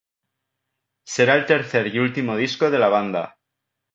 Será el tercer y último disco de la banda.